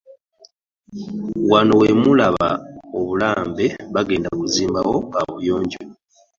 Wano we mulaba obulambe bagenda kuzimbawo kaabuyonjo.